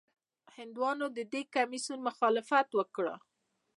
هندیانو د دې کمیسیون مخالفت وکړ.